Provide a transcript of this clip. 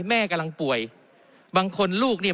แม่กำลังป่วยบางคนลูกเนี่ย